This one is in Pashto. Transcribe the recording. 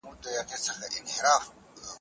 موږ بايد تل ښې خبرې وکړو.